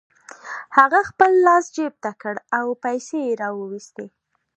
هغه خپل لاس جيب ته کړ او پيسې يې را و ايستې.